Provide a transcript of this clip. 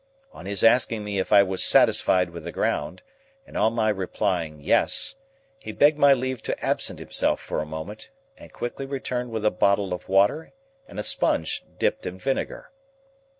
On his asking me if I was satisfied with the ground, and on my replying Yes, he begged my leave to absent himself for a moment, and quickly returned with a bottle of water and a sponge dipped in vinegar.